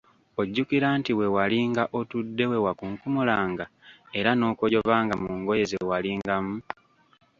Ojjukira nti we walinga otudde we wakunkumulanga, era n'okojobanga mu ngoye ze walingamu?